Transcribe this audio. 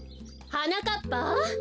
・はなかっぱ！